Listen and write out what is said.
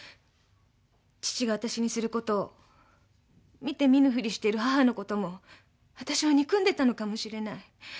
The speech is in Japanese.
父があたしにすることを見て見ぬフリしてる母のこともあたしは憎んでたのかもしれない。